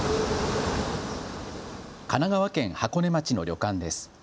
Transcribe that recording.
神奈川県箱根町の旅館です。